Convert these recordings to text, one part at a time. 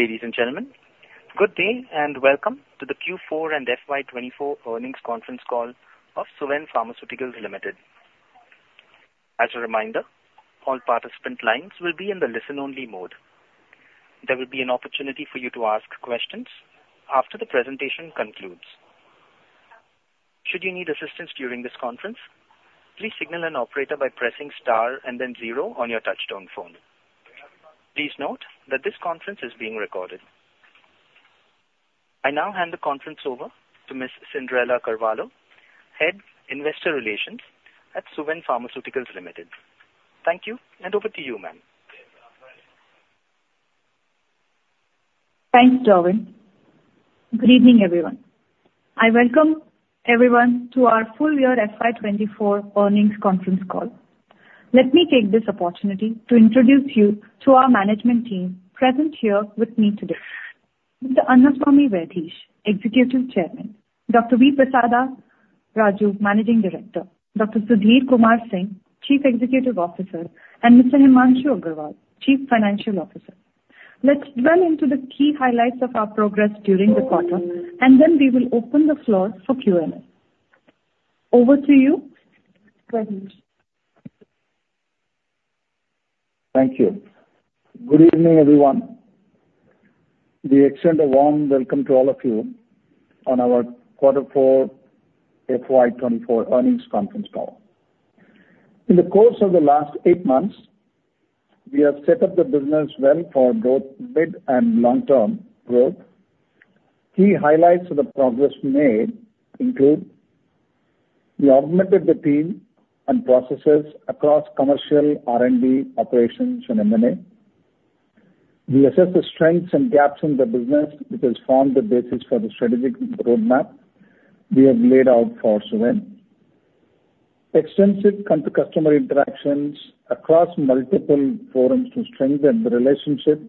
Ladies and gentlemen, good day, and welcome to the Q4 and FY 2024 earnings conference call of Suven Pharmaceuticals Limited. As a reminder, all participant lines will be in the listen-only mode. There will be an opportunity for you to ask questions after the presentation concludes. Should you need assistance during this conference, please signal an operator by pressing Star and then zero on your touchtone phone. Please note that this conference is being recorded. I now hand the conference over to Ms. Cyndrella Carvalho, Head of Investor Relations at Suven Pharmaceuticals Limited. Thank you, and over to you, ma'am. Thanks, Javan. Good evening, everyone. I welcome everyone to our full year FY 2024 earnings conference call. Let me take this opportunity to introduce you to our management team present here with me today. Mr. Annaswamy Vaidiesh, Executive Chairman, Dr. V. Prasada Raju, Managing Director, Dr. Sudhir Kumar Singh, Chief Executive Officer, and Mr. Himanshu Agarwal, Chief Financial Officer. Let's delve into the key highlights of our progress during the quarter, and then we will open the floor for Q&A. Over to you, Vaidiesh. Thank you. Good evening, everyone. We extend a warm welcome to all of you on our Quarter 4 FY 2024 earnings conference call. In the course of the last eight months, we have set up the business well for both mid and long-term growth. Key highlights of the progress made include: we augmented the team and processes across commercial R&D operations and M&A. We assess the strengths and gaps in the business, which has formed the basis for the strategic roadmap we have laid out for Suven. Extensive customer interactions across multiple forums to strengthen the relationship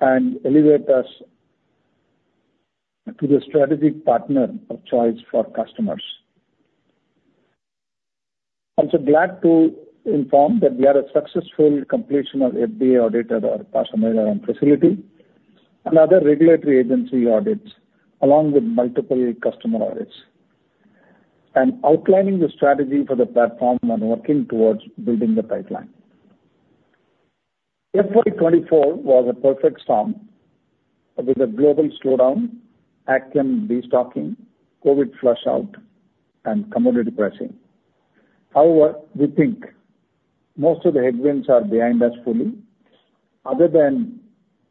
and elevate us to the strategic partner of choice for customers. I'm so glad to inform that we had a successful completion of FDA audit of our Pashamylaram facility, and other regulatory agency audits, along with multiple customer audits, and outlining the strategy for the platform and working towards building the pipeline. FY 2024 was a perfect storm with a global slowdown, Ag Chem destocking, COVID flush out, and commodity pricing. However, we think most of the headwinds are behind us fully, other than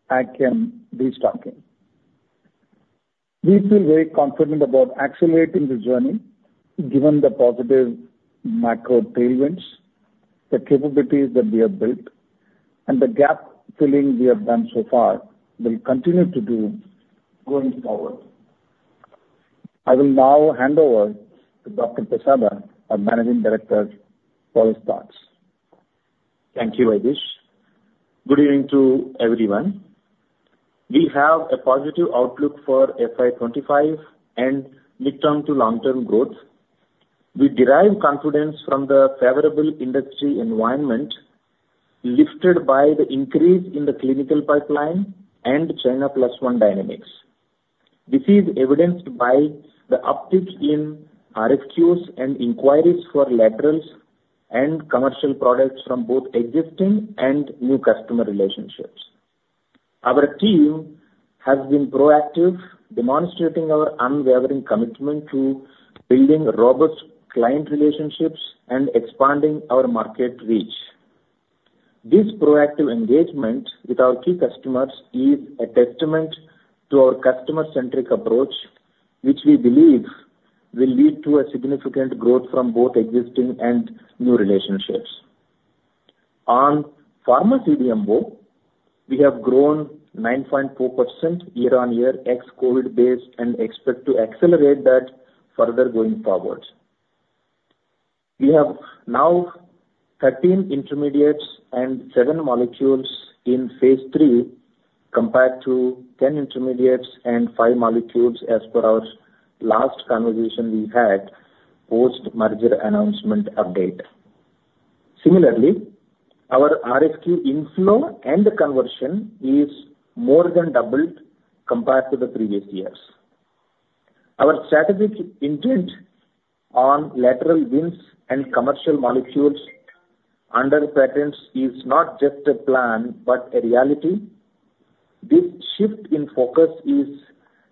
Ag Chem destocking. We feel very confident about accelerating the journey, given the positive macro tailwinds, the capabilities that we have built, and the gap-filling we have done so far, will continue to do going forward. I will now hand over to Dr. Prasada, our Managing Director, for his thoughts. Thank you, Vaidiesh. Good evening to everyone. We have a positive outlook for FY 2025 and midterm to long-term growth. We derive confidence from the favorable industry environment, lifted by the increase in the clinical pipeline and China Plus One dynamics. This is evidenced by the uptick in RFQs and inquiries for laterals and commercial products from both existing and new customer relationships. Our team has been proactive, demonstrating our unwavering commitment to building robust client relationships and expanding our market reach. This proactive engagement with our key customers is a testament to our customer-centric approach, which we believe will lead to a significant growth from both existing and new relationships. On Pharma CDMO, we have grown 9.4% year-on-year, ex-COVID base, and expect to accelerate that further going forward. We have now 13 intermediates and seven molecules in Phase 3, compared to 10 intermediates and five molecules as per our last conversation we had post-merger announcement update. Similarly, our RFQ inflow and conversion is more than doubled compared to the previous years. Our strategic intent on lateral wins and commercial molecules under patents is not just a plan, but a reality. This shift in focus is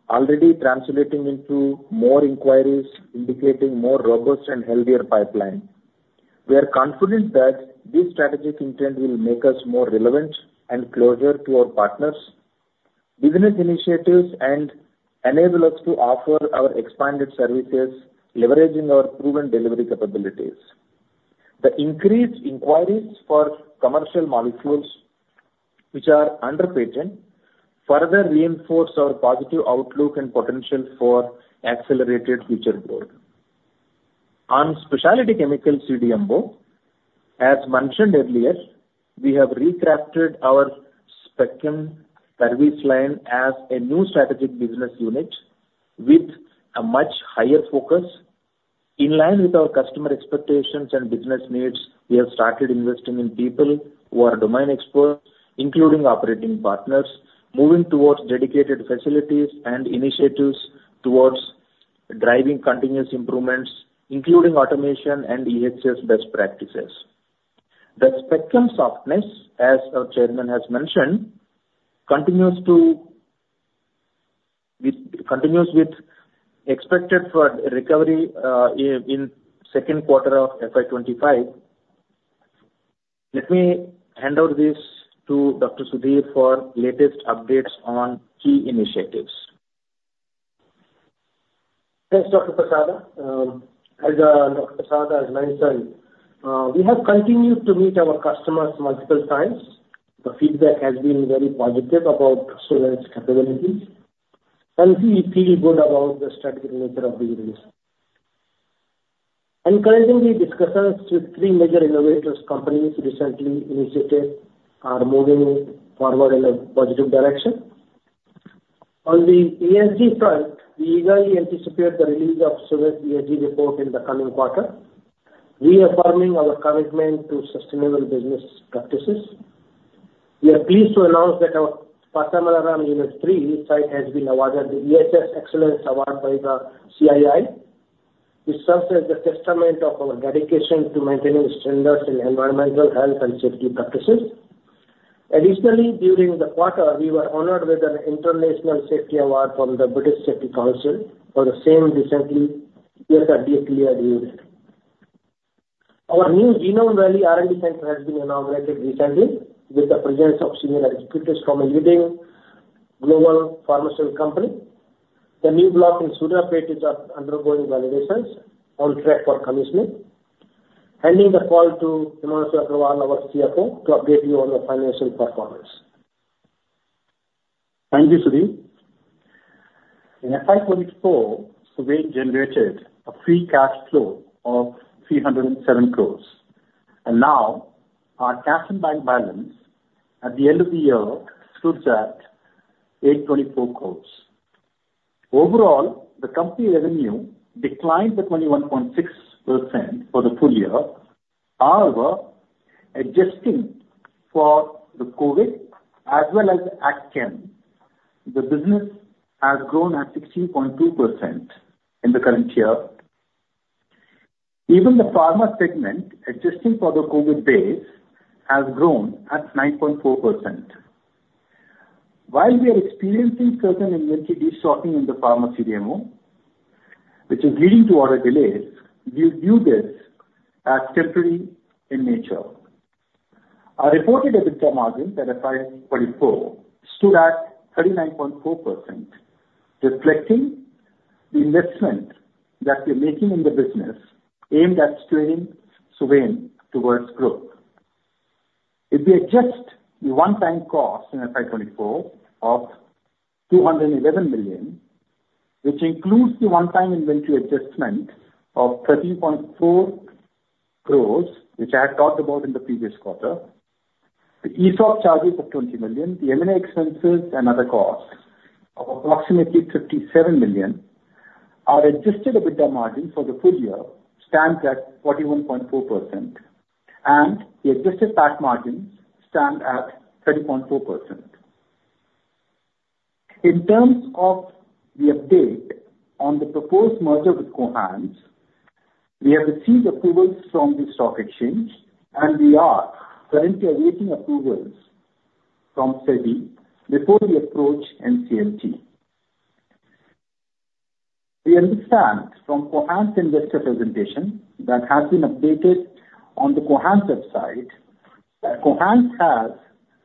already translating into more inquiries, indicating more robust and healthier pipeline. We are confident that this strategic intent will make us more relevant and closer to our partners, business initiatives, and enable us to offer our expanded services, leveraging our proven delivery capabilities. The increased inquiries for commercial molecules which are under patent further reinforce our positive outlook and potential for accelerated future growth. On Specialty Chemical CDMO, as mentioned earlier, we have recrafted our Spec Chem service line as a new strategic business unit with a much higher focus. In line with our customer expectations and business needs, we have started investing in people who are domain experts, including operating partners, moving towards dedicated facilities and initiatives towards driving continuous improvements, including automation and EHS best practices. The Spec Chem softness, as our chairman has mentioned, continues with expected recovery in second quarter of FY 25. Let me hand over this to Dr. Sudhir for latest updates on key initiatives. Thanks, Dr. Prasad. As Dr. Prasad has mentioned, we have continued to meet our customers multiple times. The feedback has been very positive about Suven's capabilities, and we feel good about the strategic nature of the business. Encouraging the discussions with three major innovators companies recently initiated are moving forward in a positive direction. On the ESG front, we eagerly anticipate the release of Suven's ESG report in the coming quarter, reaffirming our commitment to sustainable business practices. We are pleased to announce that our Pashamylaram Unit Three site has been awarded the EHS Excellence Award by the CII, which serves as a testament of our dedication to maintaining standards in environmental health and safety practices. Additionally, during the quarter, we were honored with an international safety award from the British Safety Council for the same recently, as previously reviewed. Our new Genome Valley R&D center has been inaugurated recently with the presence of senior executives from a leading global pharmaceutical company. The new block in Suryapet is undergoing validations, on track for commissioning. Handing the call to Himanshu Agarwal, our CFO, to update you on the financial performance. Thank you, Sudhir. In FY 2024, Suven generated a free cash flow of 307 crores, and now our cash and bank balance at the end of the year stood at 824 crores. Overall, the company revenue declined by 21.6% for the full year. However, adjusting for the COVID as well as Ag Chem, the business has grown at 16.2% in the current year. Even the pharma segment, adjusting for the COVID base, has grown at 9.4%. While we are experiencing certain inventory shortening in the pharma CDMO, which is leading to order delays, we view this as temporary in nature. Our reported EBITDA margin for FY 2024 stood at 39.4%, reflecting the investment that we're making in the business aimed at scaling Suven towards growth. If we adjust the one-time cost in FY 2024 of 211 million, which includes the one-time inventory adjustment of 13.4 crores, which I had talked about in the previous quarter, the ESOP charges of 20 million, the M&A expenses and other costs of approximately 57 million, our adjusted EBITDA margin for the full year stands at 41.4%, and the adjusted PAT margins stand at 30.4%. In terms of the update on the proposed merger with Cohance, we have received approvals from the stock exchange, and we are currently awaiting approvals from SEBI before we approach NCLT. We understand from Cohance investor presentation that has been updated on the Cohance website, that Cohance has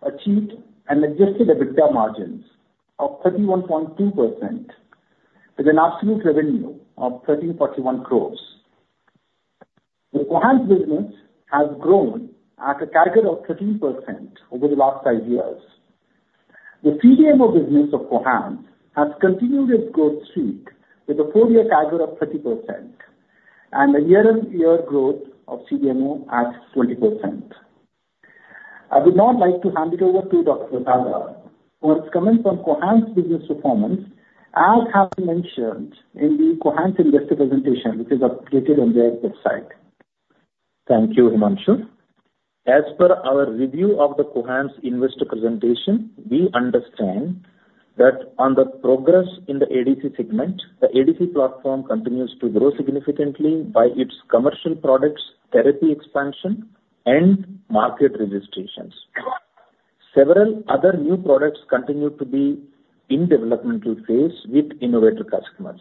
achieved an adjusted EBITDA margins of 31.2%, with an absolute revenue of 1,341 crores. The Cohance business has grown at a CAGR of 13% over the last five years. The CDMO business of Cohance has continued its growth streak with a four-year CAGR of 30% and a year-on-year growth of CDMO at 20%. I would now like to hand it over to Dr. Prasada, for his comments on Cohance business performance, as I have mentioned in the Cohance investor presentation, which is updated on their website. Thank you, Himanshu. As per our review of the Cohance investor presentation, we understand that on the progress in the ADC segment, the ADC platform continues to grow significantly by its commercial products, therapy expansion, and market registrations. Several other new products continue to be in developmental phase with innovative customers.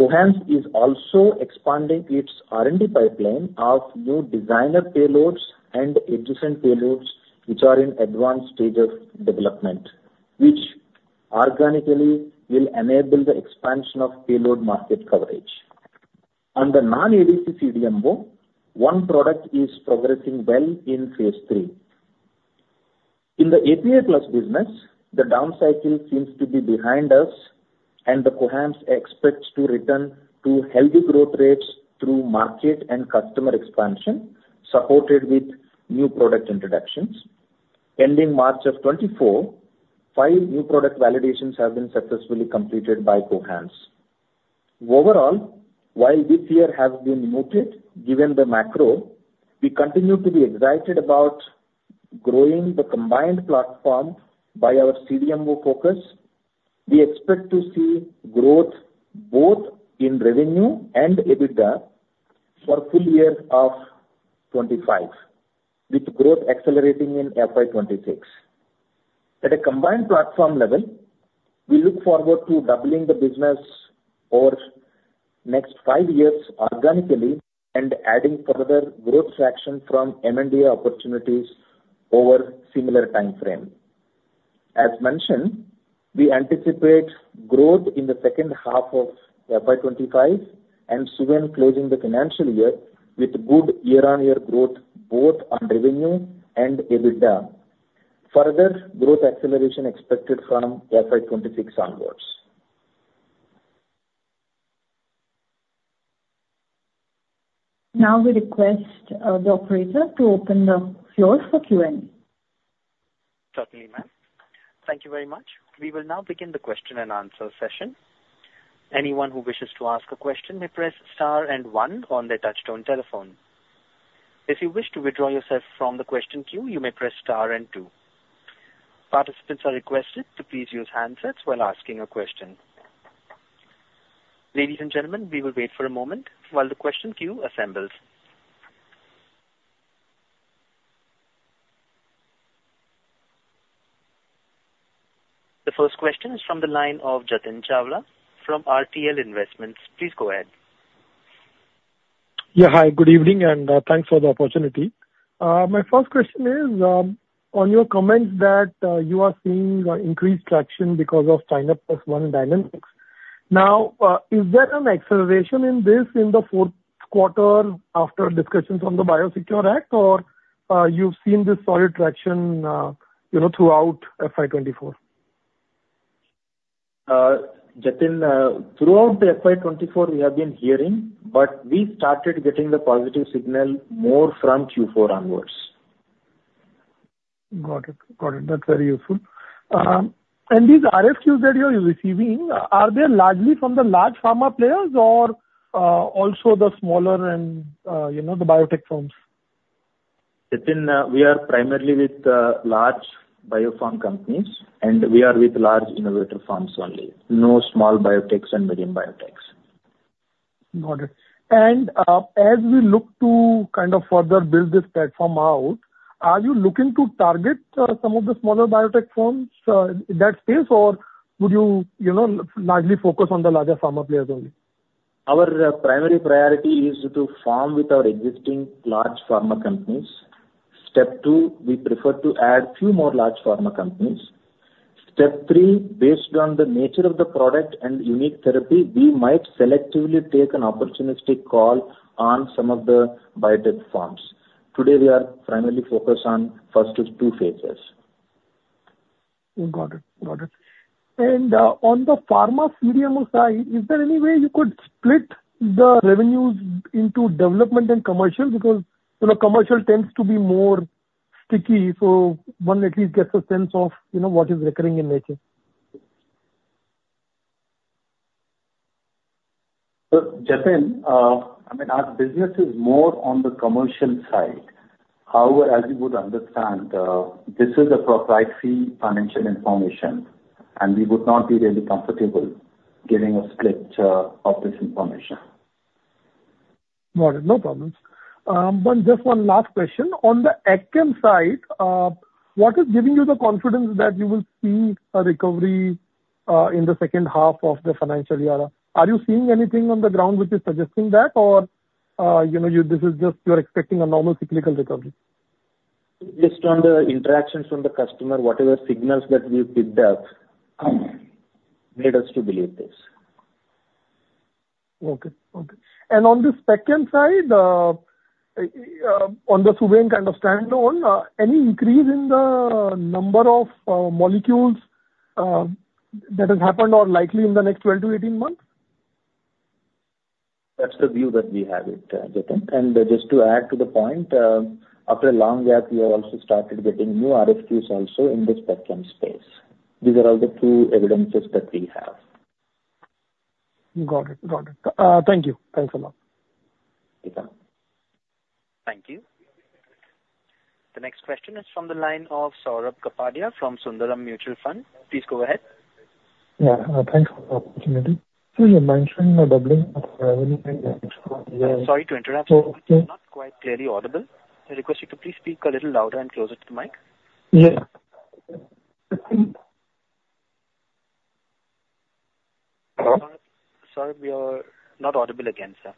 Cohance is also expanding its R&D pipeline of new designer payloads and adjacent payloads, which are in advanced stages of development, which organically will enable the expansion of payload market coverage. On the non-ADC CDMO, one product is progressing well in phase three. In the API Plus business, the down cycle seems to be behind us, and the Cohance expects to return to healthy growth rates through market and customer expansion, supported with new product introductions.... ending March of 2024, five new product validations have been successfully completed by Cohance. Overall, while this year has been muted, given the macro, we continue to be excited about growing the combined platform by our CDMO focus. We expect to see growth both in revenue and EBITDA for full year of 2025, with growth accelerating in FY 2026. At a combined platform level, we look forward to doubling the business over next five years organically and adding further growth traction from M&A opportunities over similar timeframe. As mentioned, we anticipate growth in the second half of FY 2025 and Suven closing the financial year with good year-on-year growth, both on revenue and EBITDA. Further growth acceleration expected from FY 2026 onwards. Now we request the operator to open the floor for Q&A. Certainly, ma'am. Thank you very much. We will now begin the question and answer session. Anyone who wishes to ask a question may press star and one on their touchtone telephone. If you wish to withdraw yourself from the question queue, you may press star and two. Participants are requested to please use handsets while asking a question. Ladies and gentlemen, we will wait for a moment while the question queue assembles. The first question is from the line of Jatin Chawla from RTL Investments. Please go ahead. Yeah, hi, good evening, and thanks for the opportunity. My first question is on your comments that you are seeing increased traction because of China Plus One dynamics. Now, is there an acceleration in this in the fourth quarter after discussions on the Biosecure Act, or you've seen this solid traction, you know, throughout FY 2024? Jatin, throughout the FY 24, we have been hearing, but we started getting the positive signal more from Q4 onwards. Got it. Got it. That's very useful. These RFQs that you're receiving, are they largely from the large pharma players or, also the smaller and, you know, the biotech firms? Jatin, we are primarily with large biopharma companies, and we are with large innovator firms only. No small biotechs and medium biotechs. Got it. And, as we look to kind of further build this platform out, are you looking to target some of the smaller biotech firms in that space? Or would you, you know, largely focus on the larger pharma players only? Our primary priority is to farm with our existing large pharma companies. Step two, we prefer to add few more large pharma companies. Step three, based on the nature of the product and unique therapy, we might selectively take an opportunistic call on some of the biotech firms. Today, we are primarily focused on first two phases. Got it. Got it. And, on the pharma CDMO side, is there any way you could split the revenues into development and commercial? Because, you know, commercial tends to be more sticky, so one at least gets a sense of, you know, what is recurring in nature. Look, Jatin, I mean, our business is more on the commercial side. However, as you would understand, this is a proprietary financial information, and we would not be really comfortable giving a split, of this information. Got it. No problems. But just one last question. On the CDMO side, what is giving you the confidence that you will see a recovery in the second half of the financial year? Are you seeing anything on the ground which is suggesting that? Or, you know, this is just you're expecting a normal cyclical recovery. Based on the interactions from the customer, whatever signals that we've picked up led us to believe this. Okay. Okay. And on the second side, on the Suven kind of standalone, any increase in the number of molecules that has happened or likely in the next 12-18 months? That's the view that we have it, Jatin. Just to add to the point, after a long gap, we have also started getting new RFQs also in the Spec Chem space. These are all the two evidences that we have. Got it. Got it. Thank you. Thanks a lot. Welcome. Thank you. The next question is from the line of Saurabh Kapadia from Sundaram Mutual Fund. Please go ahead. Yeah, thanks for the opportunity. Do you mind sharing my doubling? Sorry to interrupt. You're not quite clearly audible. I request you to please speak a little louder and closer to the mic. Yeah. Hello? Sorry, we are not audible again, sir.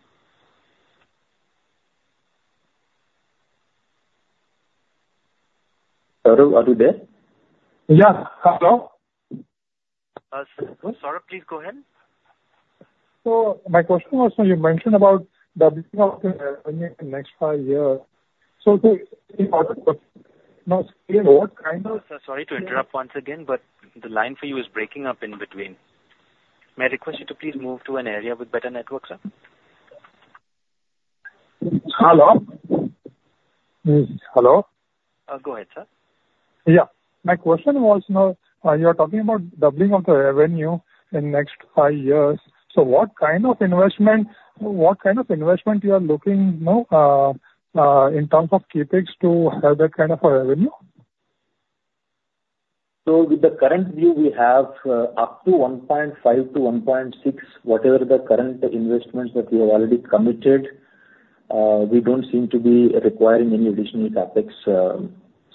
Saurabh, are you there? Yeah. Hello? Saurabh, please go ahead. So my question was, so you mentioned about the doubling of the revenue in the next five years. So, the in order for... Now, what kind of- Sir, sorry to interrupt once again, but the line for you is breaking up in between. May I request you to please move to an area with better network, sir?... Hello? Hello. Go ahead, sir. Yeah. My question was, you know, you are talking about doubling of the revenue in the next five years. So what kind of investment, what kind of investment you are looking, you know, in terms of CapEx to have that kind of a revenue? With the current view, we have up to 1.5-1.6, whatever the current investments that we have already committed, we don't seem to be requiring any additional CapEx,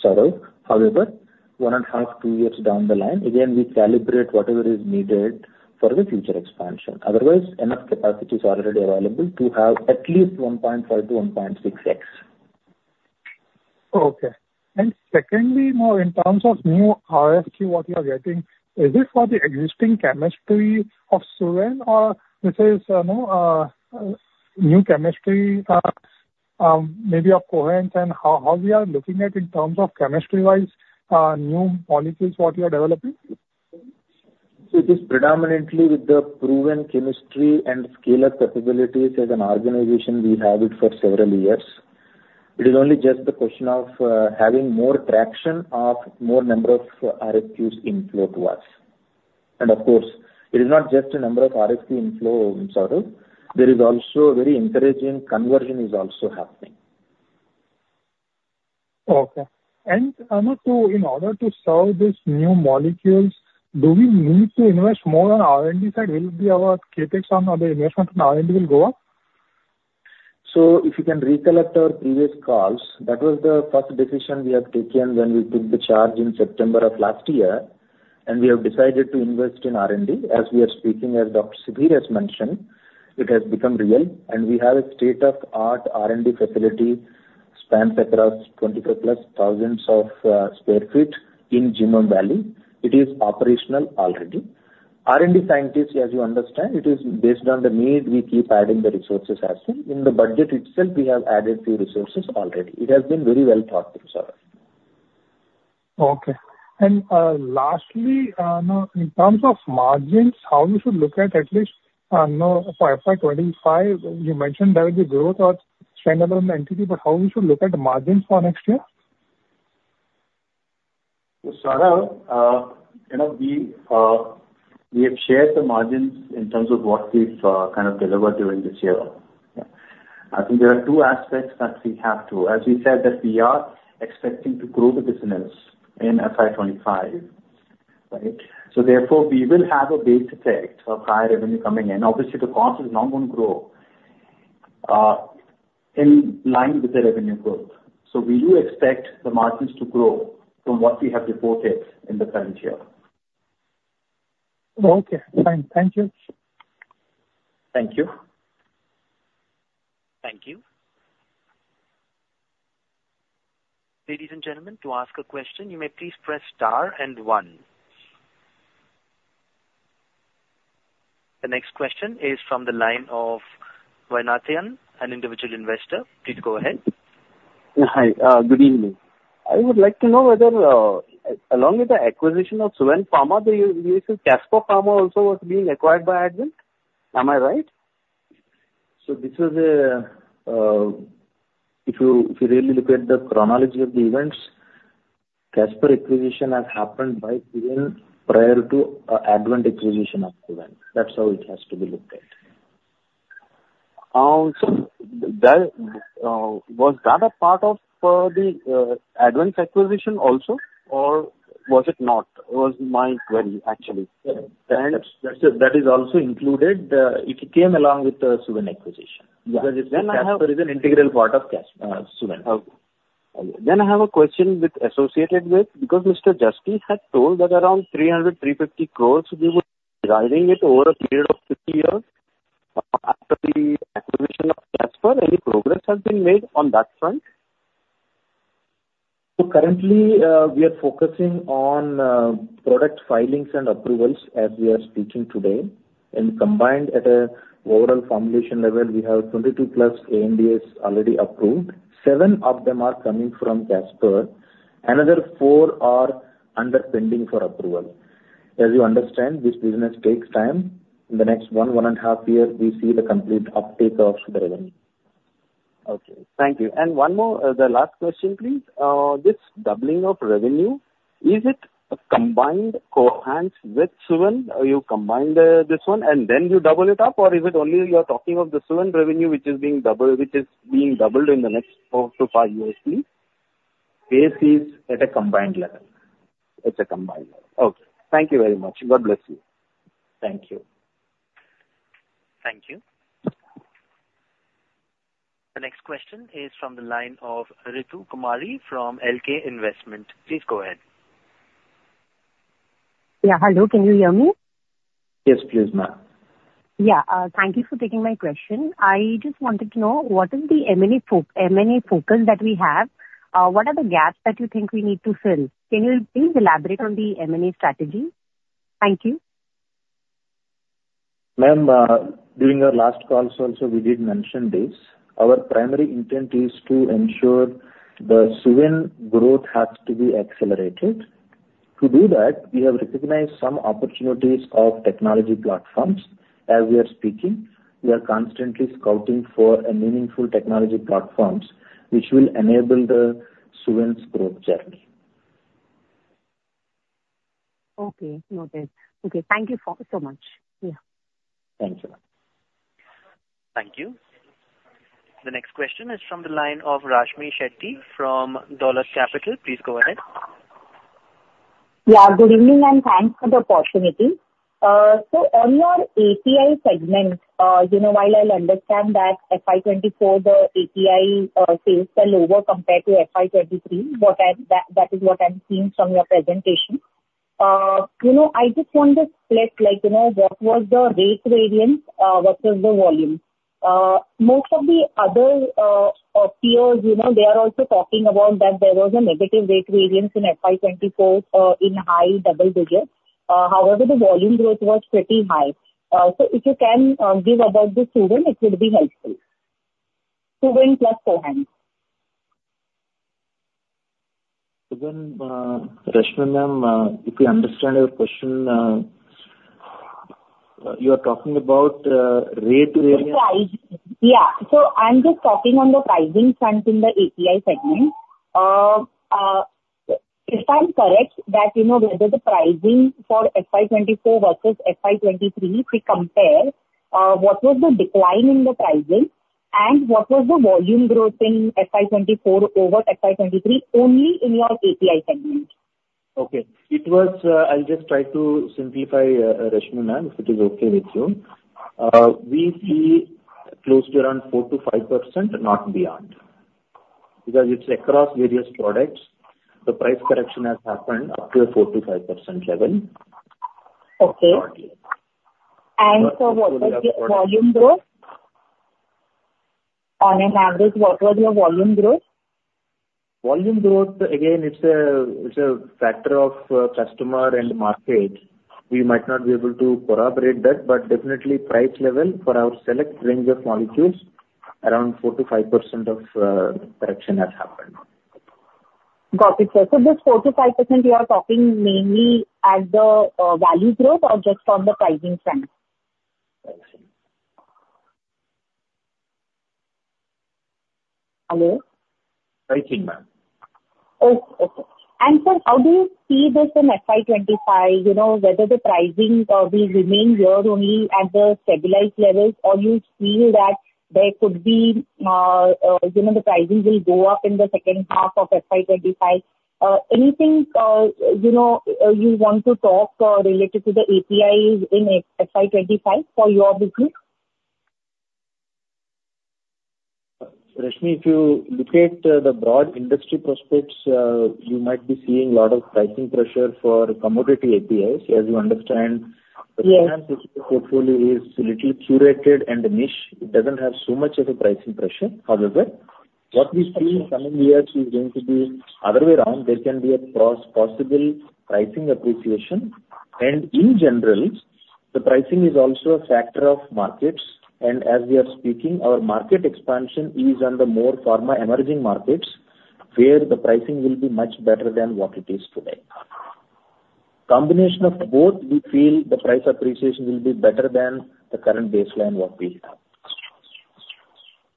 Saurabh. However, 1.5, 2 years down the line, again, we calibrate whatever is needed for the future expansion. Otherwise, enough capacity is already available to have at least 1.5-1.6x. Okay. Secondly, more in terms of new RFQ what you are getting, is this for the existing chemistry of Suven, or new chemistry, maybe of Cohance, and how we are looking at in terms of chemistry-wise, new molecules, what you are developing? So it is predominantly with the proven chemistry and scalar capabilities. As an organization, we have it for several years. It is only just the question of having more traction of more number of RFQs in flow to us. And of course, it is not just a number of RFQ inflow, Saral, there is also very encouraging conversion is also happening. Okay. And, you know, to in order to serve these new molecules, do we need to invest more on R&D side? Will it be our CapEx on the investment on R&D will go up? So if you can recollect our previous calls, that was the first decision we have taken when we took the charge in September of last year, and we have decided to invest in R&D. As we are speaking, as Dr. Sudhir has mentioned, it has become real, and we have a state-of-the-art R&D facility spanned across 24,000+ sq ft in Genome Valley. It is operational already. R&D scientists, as you understand, it is based on the need we keep adding the resources as well. In the budget itself, we have added few resources already. It has been very well thought through, Saral. Okay. Lastly, now, in terms of margins, how we should look at least, you know, for FY 2025, you mentioned there will be growth of standalone entity, but how we should look at the margins for next year? So, Saral, you know, we, we have shared the margins in terms of what we've, kind of delivered during this year. Yeah. I think there are two aspects that we have to as we said, that we are expecting to grow the business in FY 25, right? So therefore, we will have a base effect of higher revenue coming in. Obviously, the cost is now going to grow, in line with the revenue growth. So we do expect the margins to grow from what we have reported in the current year. Okay. Fine. Thank you. Thank you. Thank you. Ladies and gentlemen, to ask a question, you may please press Star and One. The next question is from the line of Vaidyanathan, an individual investor. Please go ahead. Hi, good evening. I would like to know whether, along with the acquisition of Suven Pharma, the Casper Pharma also was being acquired by Advent. Am I right? This was, if you, if you really look at the chronology of the events, Casper acquisition has happened by Suven prior to Advent acquisition of Suven. That's how it has to be looked at. So, that was a part of the Advent acquisition also, or was it not? That was my query, actually. That is also included. It came along with the Suven acquisition. Yeah. Because Suven is an integral part of Suven. Okay. Then I have a question associated with, because Mr. Jasti had told that around 300 crores-350 crores, we were driving it over a period of 50 years. After the acquisition of Casper, any progress has been made on that front? So currently, we are focusing on product filings and approvals as we are speaking today, and combined at an overall formulation level, we have +22 ANDAs already approved. 7 of them are coming from Casper. Another four are pending for approval. As you understand, this business takes time. In the next one to one and half years, we see the complete uptake of the revenue. Okay, thank you. And one more, the last question, please. This doubling of revenue, is it a combined Cohance with Suven, or you combine the, this one and then you double it up, or is it only you are talking of the Suven revenue, which is being double- which is being doubled in the next four to five years please? Base is at a combined level. It's a combined level. Okay, thank you very much. God bless you. Thank you. Thank you. The next question is from the line of Ritu Kumari from LKP Securities. Please go ahead. Yeah, hello, can you hear me? Yes, please, ma'am. Yeah, thank you for taking my question. I just wanted to know, what is the M&A focus that we have? What are the gaps that you think we need to fill? Can you please elaborate on the M&A strategy? Thank you. Ma'am, during our last calls also, we did mention this. Our primary intent is to ensure the Suven growth has to be accelerated. To do that, we have recognized some opportunities of technology platforms. As we are speaking, we are constantly scouting for a meaningful technology platforms, which will enable the Suven's growth journey. Okay, noted. Okay, thank you so much. Yeah. Thanks a lot. Thank you. The next question is from the line of Rashmi Shetty from Dolat Capital. Please go ahead. Yeah, good evening, and thanks for the opportunity. So on your API segment, you know, while I'll understand that FY 2024, the API, sales fell lower compared to FY 2023, but I, that, that is what I'm seeing from your presentation. You know, I just want to split, like, you know, what was the rate variance, versus the volume. Most of the other, peers, you know, they are also talking about that there was a negative rate variance in FY 2024, in high double digits. So if you can, give about the Suven, it would be helpful. Suven plus Cohance. So then, Rashmi ma'am, if we understand your question, you are talking about rate variance- Yeah. So I'm just talking on the pricing front in the API segment. If I'm correct, that you know, whether the pricing for FY 2024 versus FY 2023, we compare, what was the decline in the pricing, and what was the volume growth in FY 2024 over FY 2023, only in your API segment? Okay. It was, I'll just try to simplify, Rashmi ma'am, if it is okay with you. We see close to around 4%-5%, not beyond. Because it's across various products, the price correction has happened up to a 4%-5% level. Okay. Not clear. What was the volume growth? On an average, what was your volume growth? Volume growth, again, it's a factor of customer and market. We might not be able to corroborate that, but definitely price level for our select range of molecules, around 4%-5% of correction has happened. Got it, sir. So this 4%-5%, you are talking mainly at the, value growth or just from the pricing front? Pricing. Hello? Pricing, ma'am. Oh, okay. And sir, how do you see this in FY 25, you know, whether the pricing will remain here only at the stabilized levels, or you feel that there could be, you know, the pricing will go up in the second half of FY 25? Anything, you know, you want to talk related to the APIs in a FY 25 for your business? Rashmi, if you look at, the broad industry prospects, you might be seeing a lot of pricing pressure for commodity APIs. As you understand- Yeah. The portfolio is a little curated and niche. It doesn't have so much of a pricing pressure. However, what we see coming years is going to be other way around. There can be a cross, possible pricing appreciation, and in general, the pricing is also a factor of markets. As we are speaking, our market expansion is under more pharma emerging markets, where the pricing will be much better than what it is today. Combination of both, we feel the price appreciation will be better than the current baseline what we have.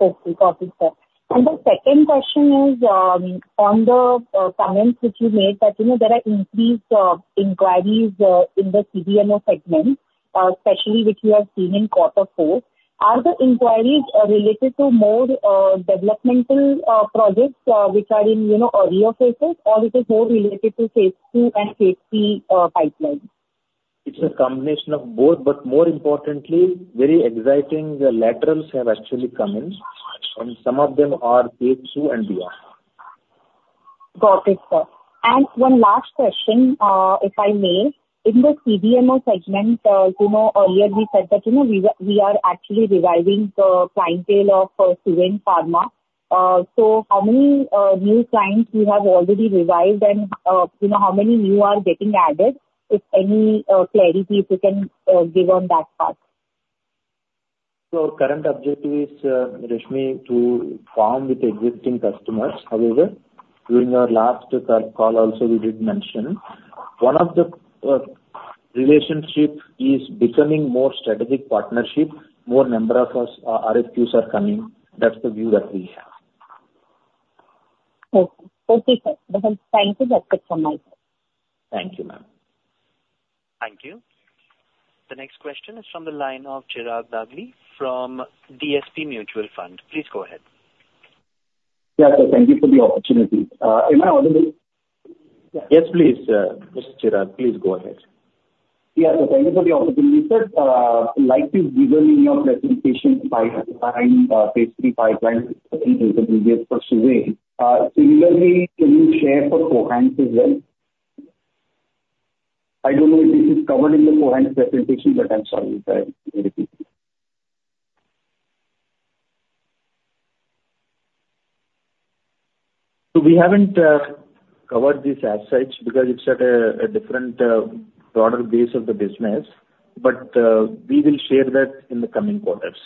Okay. Copy, sir. And the second question is, on the comments which you made, that, you know, there are increased inquiries in the CDMO segment, especially which you have seen in quarter four. Are the inquiries related to more developmental projects which are in, you know, earlier phases, or it is more related to phase II and phase III pipeline? It's a combination of both, but more importantly, very exciting laterals have actually come in, and some of them are phase II and beyond. Got it, sir. And one last question, if I may. In the CDMO segment, you know, earlier we said that, you know, we were, we are actually reviving the clientele of Suven Pharma. So how many new clients you have already revived and, you know, how many new are getting added? If any, clarity you can give on that part. Current objective is, Rashmi, to farm with existing customers. However, during our last call also we did mention, one of the relationship is becoming more strategic partnership, more number of U.S. RFQs are coming. That's the view that we have. Okay. Okay, sir. Thank you. That's it from my side. Thank you, ma'am. Thank you. The next question is from the line of Chirag Dagli from DSP Mutual Fund. Please go ahead. Yeah, sir, thank you for the opportunity. If I only- Yes, please, Mr. Chirag, please go ahead. Yeah, so thank you for the opportunity. I'd like to give you your presentation pipeline, basically pipeline, for Suven. Similarly, can you share for Cohance as well? I don't know if this is covered in the Cohance presentation, but I'm sorry if I repeat. So we haven't covered this as such, because it's at a different broader base of the business, but we will share that in the coming quarters.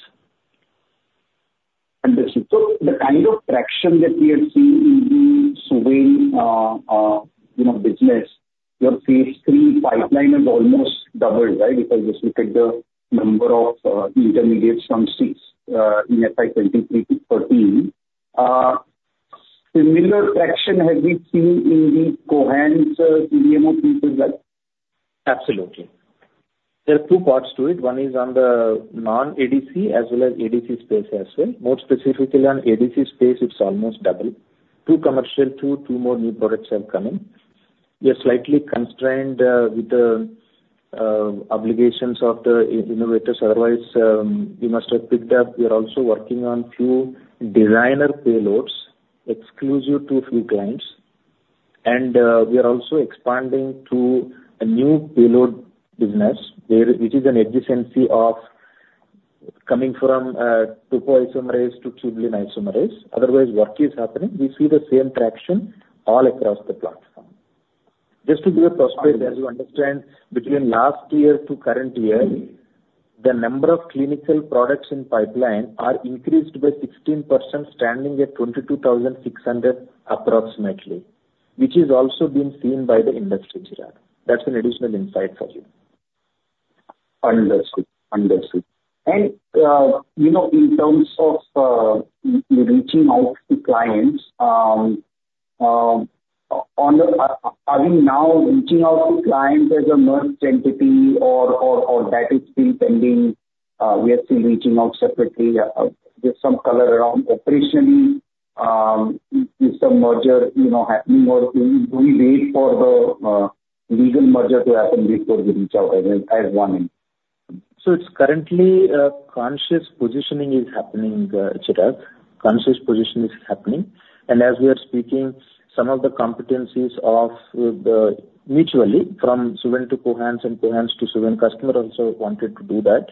So the kind of traction that we have seen in the Suven, you know, business, your phase three pipeline has almost doubled, right? If I just look at the number of intermediates from 6 in FY 2023 to 13. Similar traction have we seen in the Cohance CDMO piece as well? Absolutely. There are two parts to it. One is on the non-ADC, as well as ADC space as well. More specifically on ADC space, it's almost double. Two commercial, two, two more new products are coming. We are slightly constrained with the obligations of the innovators, otherwise, we must have picked up. We are also working on few designer payloads exclusive to a few clients. And we are also expanding to a new payload business, where it is an adjacency of coming from topoisomerase to tubulin. Otherwise, what is happening, we see the same traction all across the platform. Just to give a perspective, as you understand, between last year to current year, the number of clinical products in pipeline are increased by 16%, standing at 22,600, approximately, which is also being seen by the industry, Chirag. That's an additional insight for you. Understood. Understood. And, you know, in terms of, in reaching out to clients, are you now reaching out to clients as a merged entity or, or, or that is still pending? We are still reaching out separately. Give some color around operationally, if the merger, you know, happening, or do you wait for the, legal merger to happen before you reach out as, as one entity? So it's currently a conscious positioning is happening, Chirag. Conscious position is happening. And as we are speaking, some of the competencies of the mutually from Suven to Cohance and Cohance to Suven, customer also wanted to do that.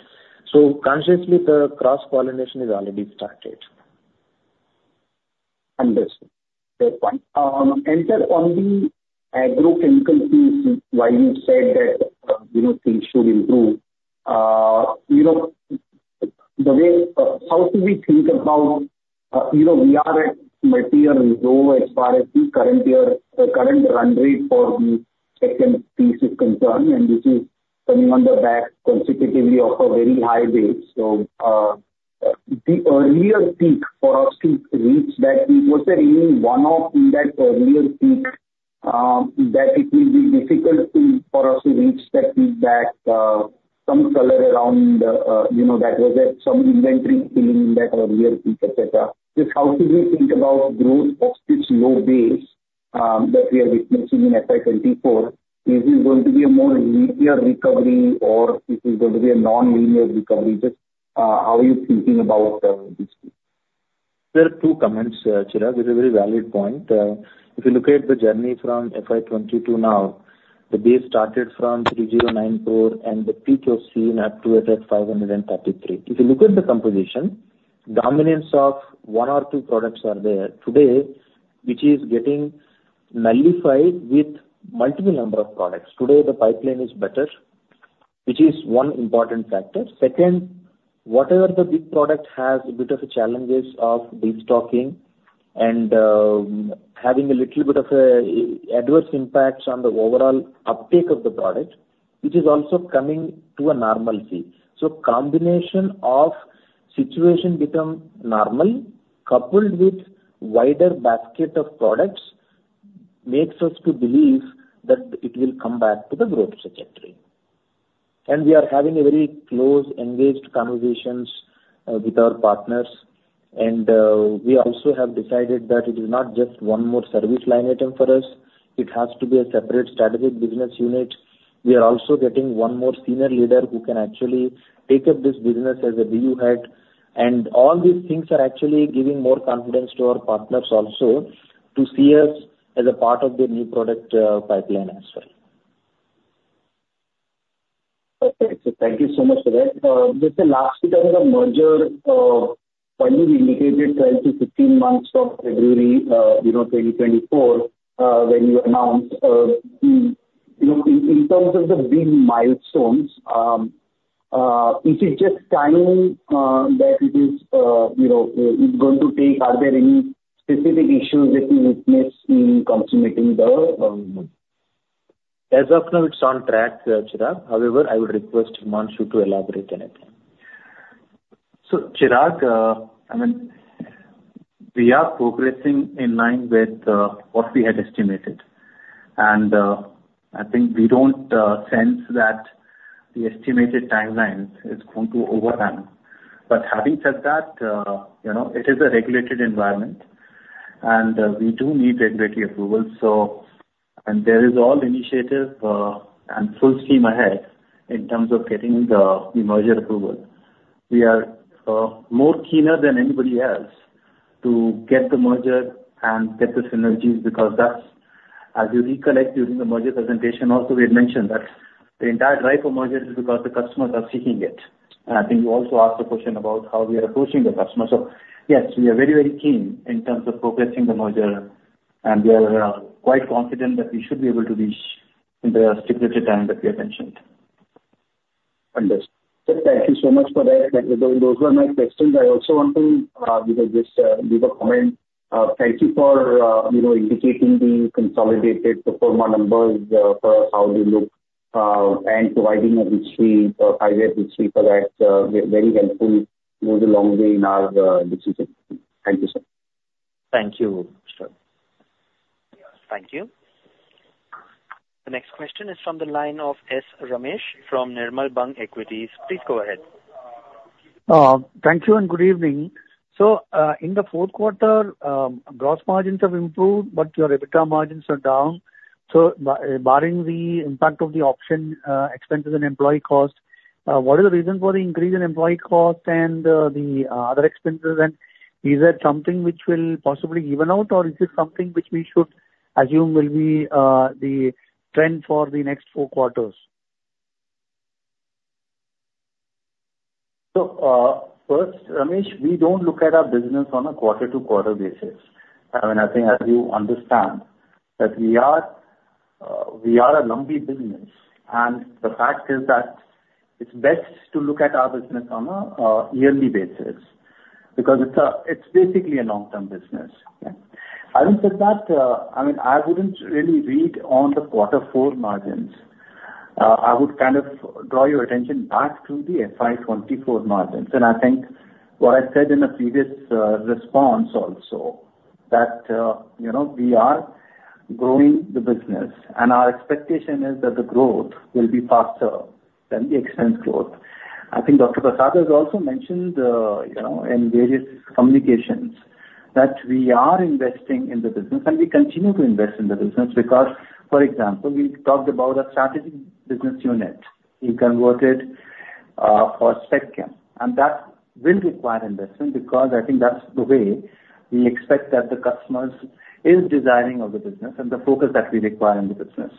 So consciously, the cross-pollination is already started. Understood. Fair point. And then on the agrochemical piece, why you said that, you know, things should improve? You know, the way, how do we think about, you know, we are at multi-year low as far as the current year, the current run rate for the second piece is concerned, and this is coming on the back consecutively of a very high base. So, the earlier peak for us to reach that peak, was there any one-off in that earlier peak, that it will be difficult to, for us to reach that peak back, some color around, you know, that, was there some inventory filling in that earlier peak, et cetera? Just how do we think about growth off this low base, that we are witnessing in FY 2024? Is it going to be a more linear recovery or it is going to be a non-linear recovery? Just, how are you thinking about, this piece? There are two comments, Chirag. It's a very valid point. If you look at the journey from FY 2022 now, the base started from 3,094, and the peak was seen at 28 at 533. If you look at the composition, dominance of one or two products are there today, which is getting nullified with multiple number of products. Today, the pipeline is better, which is one important factor. Second, whatever the big product has a bit of a challenges of destocking and having a little bit of a adverse impacts on the overall uptake of the product, which is also coming to a normalcy. So combination of situation become normal, coupled with wider basket of products, makes us to believe that it will come back to the growth trajectory. We are having a very close, engaged conversations with our partners. We also have decided that it is not just one more service line item for us, it has to be a separate strategic business unit. We are also getting one more senior leader who can actually take up this business as a BU head. All these things are actually giving more confidence to our partners also, to see us as a part of their new product pipeline as well. Okay. So thank you so much for that. Just the last time the merger, when you indicated 12-15 months from February, you know, 2024, when you announced. You know, in terms of the big milestones, is it just timing, that it is, you know, going to take? Are there any specific issues that you witness in consummating the merger? As of now, it's on track, Chirag. However, I would request Himanshu to elaborate on it. So, Chirag, I mean, we are progressing in line with what we had estimated. And I think we don't sense that the estimated timelines is going to overrun. But having said that, you know, it is a regulated environment, and we do need regulatory approval, so and there is all initiative, and full steam ahead in terms of getting the merger approval. We are more keener than anybody else to get the merger and get the synergies, because that's, as you recollect during the merger presentation also, we had mentioned that the entire drive for merger is because the customers are seeking it. And I think you also asked a question about how we are approaching the customer. So yes, we are very, very keen in terms of progressing the merger, and we are quite confident that we should be able to reach in the stipulated time that we have mentioned. Understood. Sir, thank you so much for that. Those were my questions. I also want to, because just, leave a comment. Thank you for, you know, indicating the consolidated pro forma numbers, for how they look, and providing a rich history, for five-year history for that, very helpful, goes a long way in our, decision. Thank you, sir. Thank you, sir. Thank you. The next question is from the line of S. Ramesh from Nirmal Bang Equities. Please go ahead. Thank you and good evening. In the fourth quarter, gross margins have improved, but your EBITDA margins are down. Barring the impact of the option, expenses and employee costs, what is the reason for the increase in employee costs and the other expenses? And is that something which will possibly even out, or is this something which we should assume will be the trend for the next four quarters? So, first, Ramesh, we don't look at our business on a quarter-to-quarter basis. I mean, I think as you understand, that we are, we are a lumpy business, and the fact is that it's best to look at our business on a, yearly basis, because it's a, it's basically a long-term business. Okay? Having said that, I mean, I wouldn't really read on the quarter four margins. I would kind of draw your attention back to the FY 2024 margins. And I think what I said in a previous, response also, that, you know, we are growing the business, and our expectation is that the growth will be faster than the expense growth. I think Dr. Prasad has also mentioned, you know, in various communications, that we are investing in the business, and we continue to invest in the business because, for example, we talked about a strategic business unit. We converted for Spec Chem, and that will require investment because I think that's the way we expect that the customers is designing of the business and the focus that we require in the business.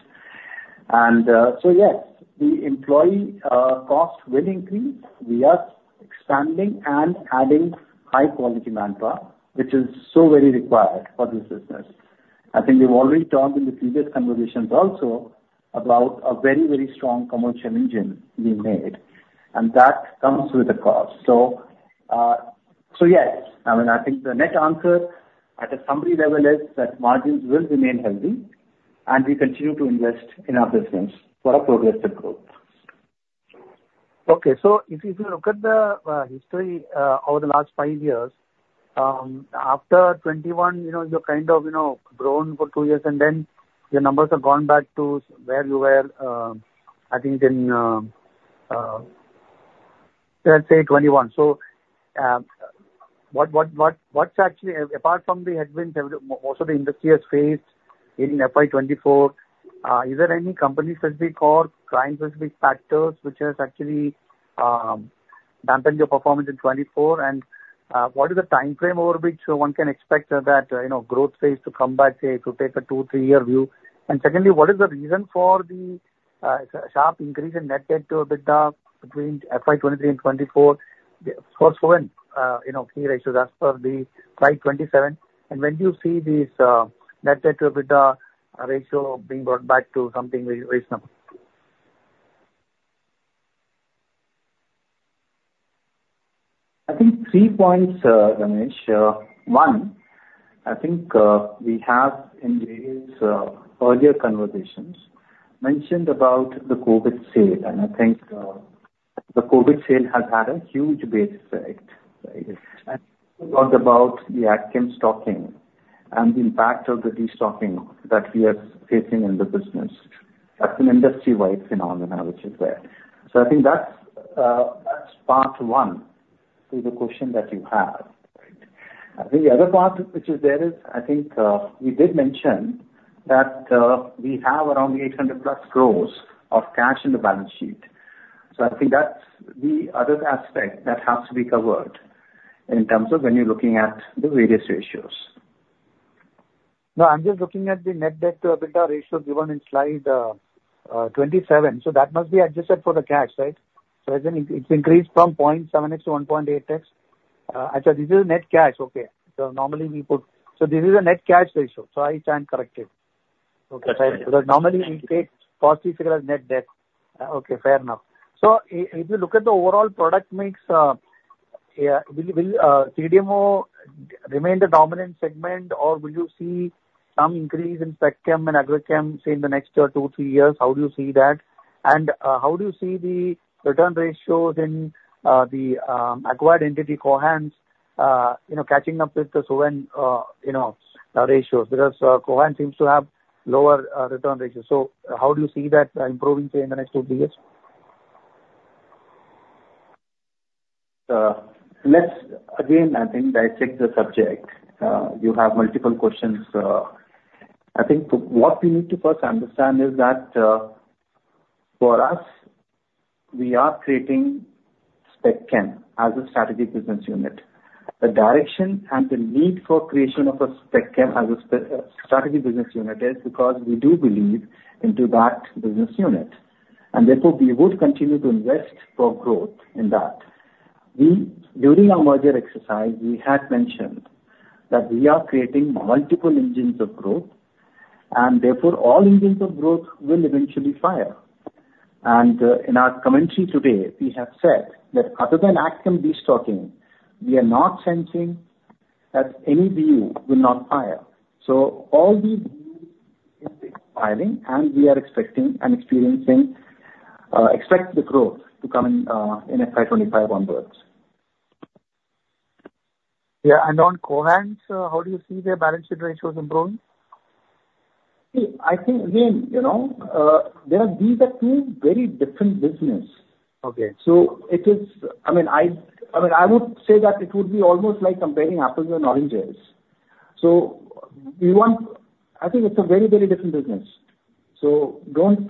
And, so yes, the employee cost will increase. We are expanding and adding high-quality manpower, which is so very required for this business. I think we've already talked in the previous conversations also about a very, very strong commercial engine we made, and that comes with a cost. So, yes, I mean, I think the net answer at a summary level is that margins will remain healthy, and we continue to invest in our business for a progressive growth. Okay. So if you look at the history over the last five years, after 2021, you know, you're kind of, you know, grown for two years, and then your numbers have gone back to where you were, I think in 2021. So, what's actually apart from the headwinds that most of the industry has faced in FY 2024, is there any company-specific or client-specific factors which has actually dampened your performance in 2024? And, what is the timeframe over which one can expect that, you know, growth phase to come back, say, if you take a two, three year view? And secondly, what is the reason for the sharp increase in net debt to EBITDA between FY 2023 and 2024? For when, you know, key ratios as per the slide 27, and when do you see this net debt to EBITDA ratio being brought back to something reasonable? I think three points, Ramesh. One, I think we have in the earlier conversations mentioned about the COVID sale, and I think the COVID sale has had a huge base effect. And we talked about the Ag Chem stocking and the impact of the destocking that we are facing in the business. That's an industry-wide phenomenon which is there. So I think that's part one to the question that you have, right? I think the other part which is there is, I think we did mention that we have around 800+ crore of cash in the balance sheet. So I think that's the other aspect that has to be covered in terms of when you're looking at the various ratios. No, I'm just looking at the net debt to EBITDA ratio given in slide 27, so that must be adjusted for the cash, right? So as in, it's increased from 0.7x to 1.8x. Actually, this is net cash. Okay. So normally we put. So this is a net cash ratio, so I stand corrected. Okay. So normally we take positive figure as net debt. Okay, fair enough. So if you look at the overall product mix, yeah, will CDMO remain the dominant segment, or will you see some increase in Spec Chem and Ag Chem, say, in the next two, three years? How do you see that? And how do you see the return ratios in the acquired entity, Cohance, you know, catching up with the Suven, you know, ratios? Because Cohance seems to have lower return ratios. So how do you see that improving, say, in the next two, three years? Let's again, I think, dissect the subject. You have multiple questions. I think what we need to first understand is that, for us, we are creating Spec Chem as a strategic business unit. The direction and the need for creation of a Spec Chem as a strategic business unit is because we do believe in that business unit, and therefore, we would continue to invest for growth in that. During our merger exercise, we had mentioned that we are creating multiple engines of growth, and therefore, all engines of growth will eventually fire. In our commentary today, we have said that other than ADC maybe stocking, we are not sensing that any unit will not fire. So all these filings, and we are expecting and experiencing the growth to come in, in FY 25 onwards. Yeah, on Cohance, how do you see their balance sheet ratios improving? See, I think, again, you know, there are, these are two very different business. Okay. So it is. I mean, I would say that it would be almost like comparing apples and oranges. So we want. I think it's a very, very different business. So don't.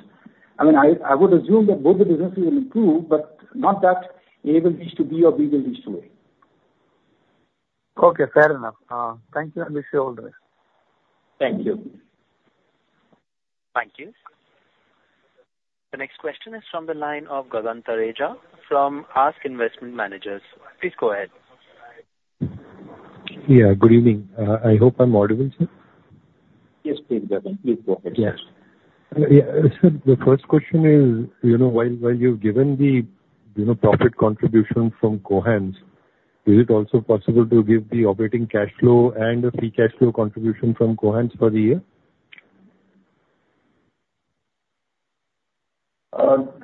I mean, I would assume that both the businesses will improve, but not that A will reach to B or B will reach to A. Okay, fair enough. Thank you, and wish you all the best. Thank you. Thank you. The next question is from the line of Gagan Thareja from ASK Investment Managers. Please go ahead. Yeah, good evening. I hope I'm audible, sir? Yes, please, Gagan. Please go ahead. Yes. Yeah, sir, the first question is, you know, while, while you've given the, you know, profit contribution from Cohance, is it also possible to give the operating cash flow and the free cash flow contribution from Cohance for the year?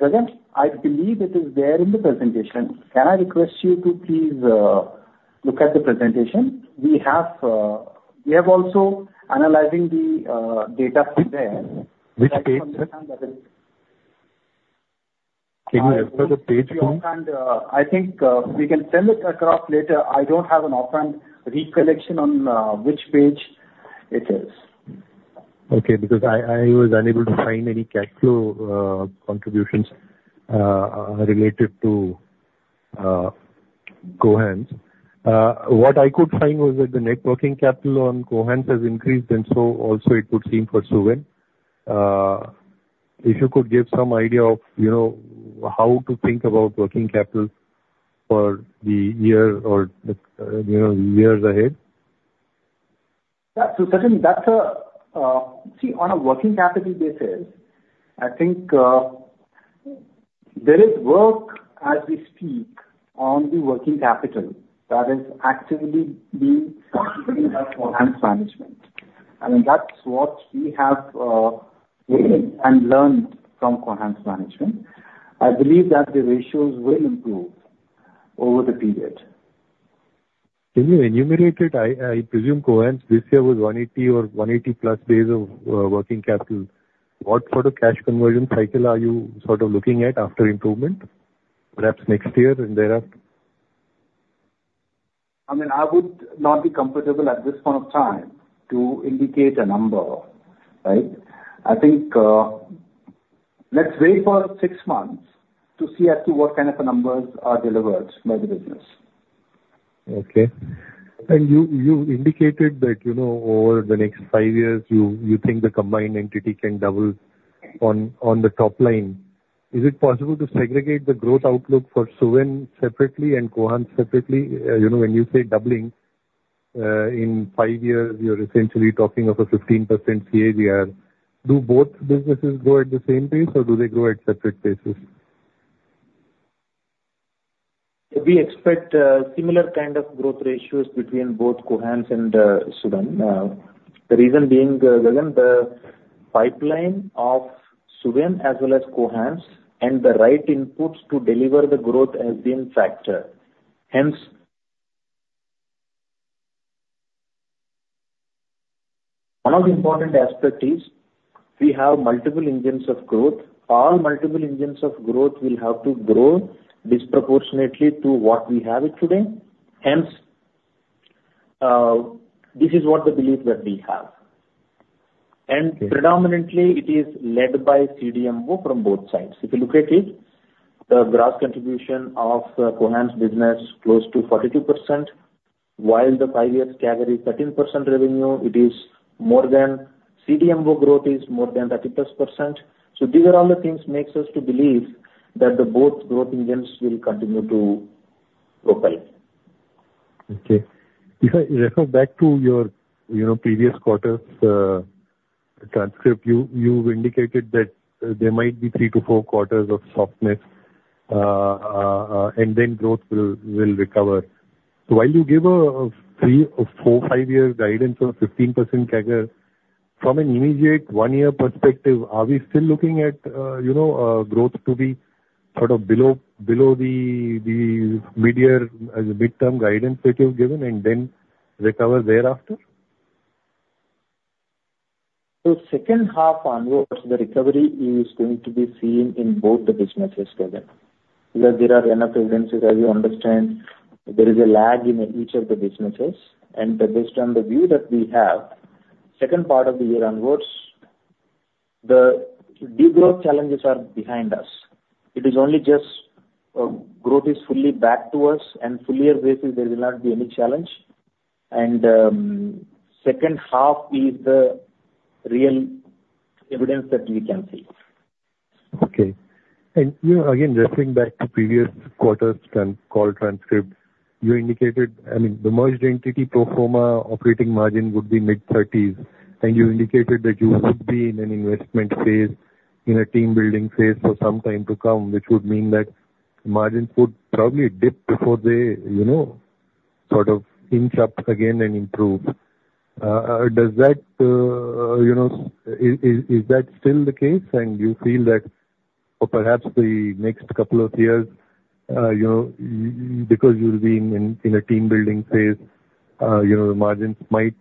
Gagan, I believe it is there in the presentation. Can I request you to please look at the presentation? We have, we have also analyzing the data there. Which page, sir? Can you refer the page number? I think, we can send it across later. I don't have an offhand recollection on, which page it is. Okay, because I, I was unable to find any cash flow contributions related to Cohance. What I could find was that the net working capital on Cohance has increased, and so also it would seem for Suven. If you could give some idea of, you know, how to think about working capital for the year or the, you know, years ahead. Yeah. So Gagan, that's a, See, on a working capital basis, I think, there is work as we speak on the working capital that is actively being by Cohance management. I mean, that's what we have, gained and learned from Cohance management. I believe that the ratios will improve over the period. Can you enumerate it? I, I presume Cohance this year was 180 or 180+ days of working capital. What sort of cash conversion cycle are you sort of looking at after improvement, perhaps next year and thereafter? I mean, I would not be comfortable at this point of time to indicate a number, right? I think, let's wait for six months to see as to what kind of numbers are delivered by the business. Okay. And you indicated that, you know, over the next five years, you think the combined entity can double on the top line. Is it possible to segregate the growth outlook for Suven separately and Cohance separately? You know, when you say doubling, in five years, you're essentially talking of a 15% CAGR. Do both businesses grow at the same pace, or do they grow at separate paces? We expect similar kind of growth ratios between both Cohance and Suven. The reason being, Gagan, the pipeline of Suven as well as Cohance and the right inputs to deliver the growth has been factored. Hence, one of the important aspect is we have multiple engines of growth. All multiple engines of growth will have to grow disproportionately to what we have it today. Hence, this is what the belief that we have. Okay. Predominantly, it is led by CDMO from both sides. If you look at it, the gross contribution of Cohance's business, close to 42%, while the five-year CAGR is 13% revenue, it is more than CDMO growth is more than 30+%. So these are all the things makes us to believe that the both growth engines will continue to propel. Okay. If I refer back to your, you know, previous quarter's transcript, you indicated that there might be three to four quarters of softness, and then growth will recover. So while you give a three, a four, five year guidance of 15% CAGR, from an immediate 1-year perspective, are we still looking at, you know, growth to be sort of below the mid-year, mid-term guidance that you've given and then recover thereafter? So second half onwards, the recovery is going to be seen in both the businesses together. Because there are enough evidences, as you understand, there is a lag in each of the businesses, and based on the view that we have, second part of the year onwards, the de-growth challenges are behind us. It is only just, growth is fully back to us and full year basis, there will not be any challenge. And, second half is the real evidence that we can see. Okay. And, you know, again, referring back to previous quarters and call transcripts, you indicated, I mean, the merged entity pro forma operating margin would be mid-thirties, and you indicated that you would be in an investment phase, in a team-building phase for some time to come, which would mean that margins would probably dip before they, you know, sort of inch up again and improve. Does that, you know, is that still the case, and you feel that for perhaps the next couple of years, you know, because you'll be in a team-building phase, you know, the margins might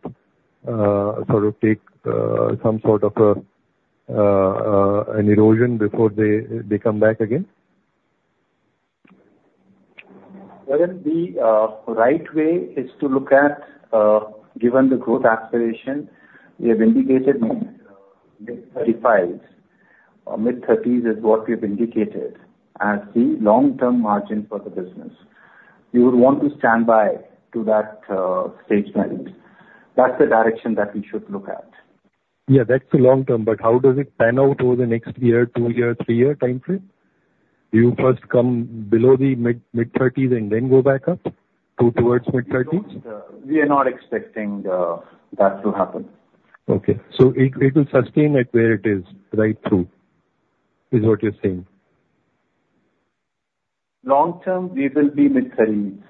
sort of take some sort of an erosion before they come back again? Well, the right way is to look at, given the growth aspiration, we have indicated mid-thirties. Mid-thirties is what we've indicated as the long-term margin for the business. You would want to stand by to that, stage management. That's the direction that we should look at. Yeah, that's the long term, but how does it pan out over the next year, two year, three year time frame? You first come below the mid-30s and then go back up to, towards mid-30s? We are not expecting that to happen. Okay. So it will sustain at where it is right through, is what you're saying? Long term, we will be mid-30s.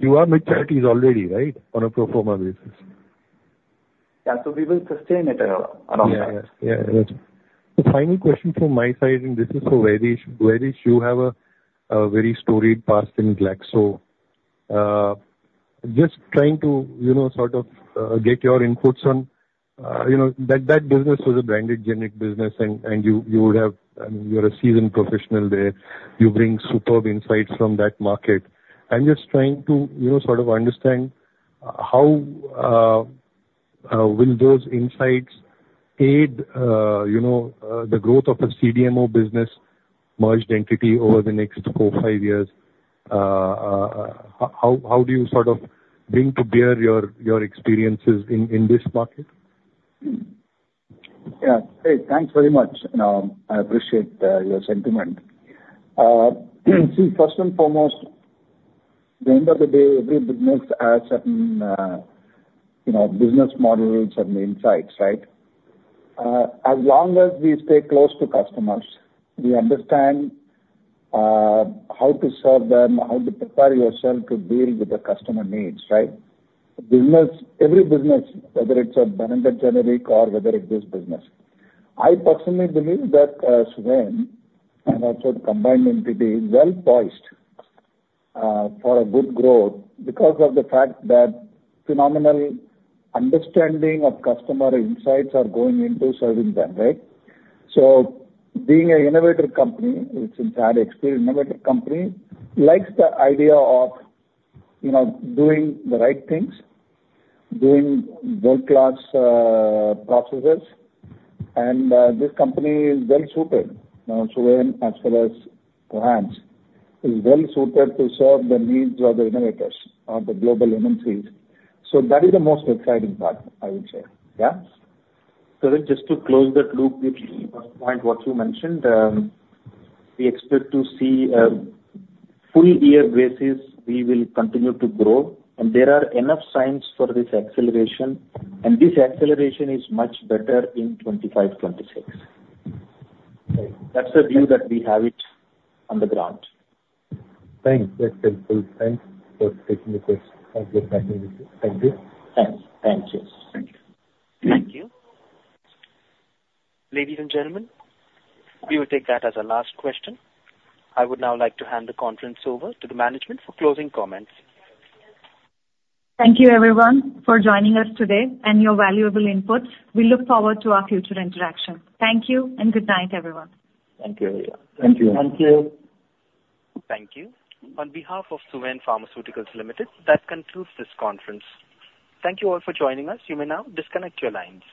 You are mid-thirties already, right? On a pro forma basis. Yeah, so we will sustain it around that. Yeah. Yeah, yeah. The final question from my side, and this is for Vaidiesh. Vaidiesh, you have a very storied past in Glaxo. Just trying to, you know, sort of, get your inputs on, you know, that business was a branded generic business and you would have, I mean, you're a seasoned professional there. You bring superb insights from that market. I'm just trying to, you know, sort of understand how will those insights aid, you know, the growth of a CDMO business merged entity over the next four to five years? How do you sort of bring to bear your experiences in this market? Yeah. Hey, thanks very much, and, I appreciate your sentiment. See, first and foremost, at the end of the day, every business has certain, you know, business models and insights, right? As long as we stay close to customers, we understand how to serve them, how to prepare yourself to deal with the customer needs, right? Business, every business, whether it's a branded generic or whether it's this business. I personally believe that Suven, and also the combined entity, is well poised for a good growth because of the fact that phenomenal understanding of customer insights are going into serving them, right? So being an innovative company, which has had experience, innovative company likes the idea of, you know, doing the right things, doing world-class processes, and this company is well-suited. Suven as well as Cohance is well-suited to serve the needs of the innovators or the global MNCs. So that is the most exciting part, I would say. Yeah. So just to close that loop with your point, we expect to see a full year basis, we will continue to grow, and there are enough signs for this acceleration, and this acceleration is much better in 2025, 2026. Right. That's the view that we have it on the ground. Thanks. That's helpful. Thanks for taking the questions. Thank you. Thanks. Thank you. Thank you. Thank you. Ladies and gentlemen, we will take that as our last question. I would now like to hand the conference over to the management for closing comments. Thank you everyone for joining us today and your valuable inputs. We look forward to our future interaction. Thank you, and good night, everyone. Thank you. Thank you. Thank you. Thank you. On behalf of Suven Pharmaceuticals Limited, that concludes this conference. Thank you all for joining us. You may now disconnect your lines.